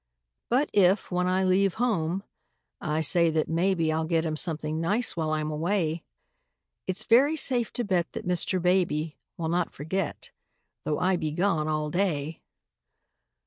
But if, when I leave home, I say that maybe I'll get him something nice while I'm away, It's very safe to bet that Mr. Baby Will not forget, though I be gone all day.